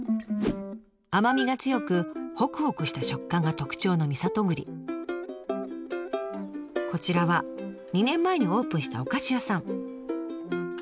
甘みが強くほくほくした食感が特徴のこちらは２年前にオープンしたお菓子屋さん。